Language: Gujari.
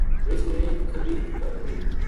رِچھ نے کھدی اِکابکری